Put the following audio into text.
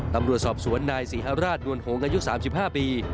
ตำรวจสอบสวนนายศรีฮราชดวลโหงอายุ๓๕ปี